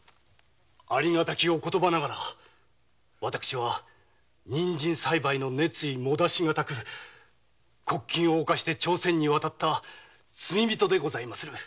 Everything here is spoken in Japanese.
ありがたきお言葉ながら私は人参栽培の熱意もだしがたく国禁を犯して朝鮮に渡った罪人でございまする。